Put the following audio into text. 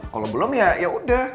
kalo belum ya yaudah